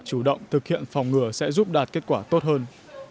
chủ động thực hiện phòng ngừa sẽ giúp đạt kết quả tốt hơn